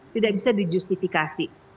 tidak bisa dijustifikasi